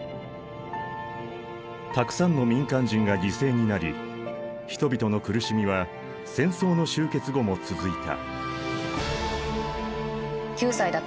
たくさんの民間人が犠牲になり人々の苦しみは戦争の終結後も続いた。